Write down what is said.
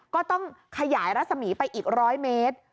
ก็ต้องขยายรัศมีร์ไปอีก๑๐๐เมตร